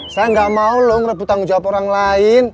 saya gak mau loh ngerebut tanggung jawab orang lain